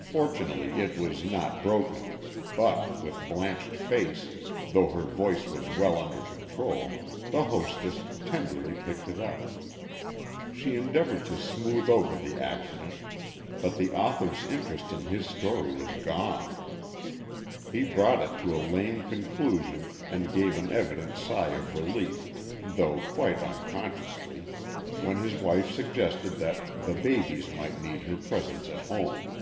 Fortunately, it was not broken, but, with blanched face, though her voice was well under control, the hostess tenderly picked it up. She endeavored to smooth over the accident, but the author's interest in his story was gone. He brought it to a lame conclusion, and gave an evident sigh of relief, though quite unconsciously, when his wife suggested that "the babies might need her presence at home."